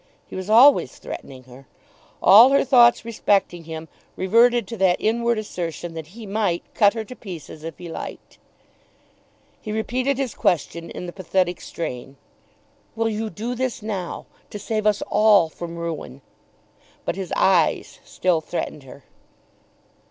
He was always threatening her. All her thoughts respecting him reverted to that inward assertion that he might "cut her to pieces" if he liked. He repeated his question in the pathetic strain. "Will you do this now, to save us all from ruin?" But his eyes still threatened her.